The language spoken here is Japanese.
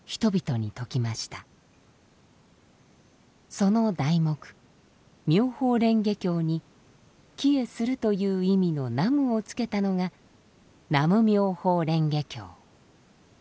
その題目「妙法蓮華経」に帰依するという意味の「南無」を付けたのが「南無妙法蓮華経」。